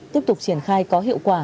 tiếp tục triển khai có hiệu quả